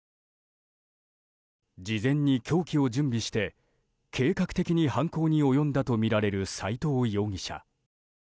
事前に凶器を準備して計画的に犯行に及んだとみられる斎藤容疑者。